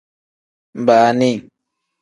Baani.